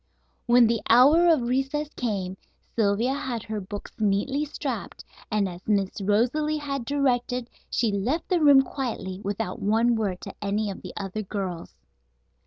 When the hour of recess came Sylvia had her books neatly strapped, and, as Miss Rosalie had directed, she left the room quietly without one word to any of the other girls.